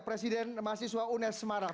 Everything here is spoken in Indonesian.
presiden mahasiswa unes semarang